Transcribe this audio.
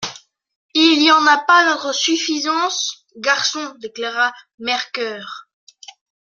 «Il n'y en a pas notre suffisance, garçons, déclara Mercœur.